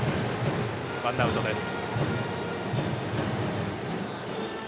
ワンアウトです。